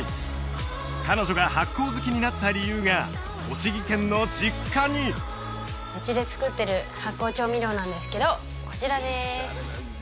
彼女が発酵好きになった理由が栃木県の実家にうちで作ってる発酵調味料なんですけどこちらです